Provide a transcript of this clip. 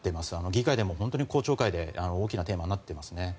議会でも本当に公聴会で大きなテーマになっていますね。